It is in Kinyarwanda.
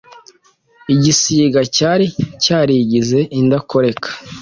igisiga cyari cyarigize indakoreka